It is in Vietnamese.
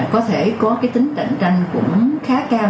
có thể có cái tính cạnh tranh cũng khá cao